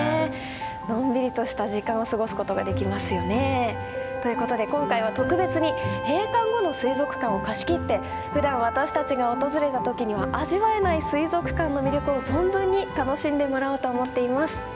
のんびりとした時間を過ごすことができますよね。ということで今回は特別に閉館後の水族館を貸し切ってふだん私たちが訪れたときには味わえない水族館の魅力を存分に楽しんでもらおうと思っています。